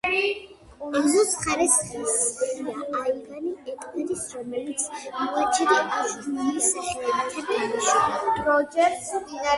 ეზოს მხარეს ხის ღია აივანი ეკვრის რომლის მოაჯირი აჟურული სახეებითაა დამუშავებული.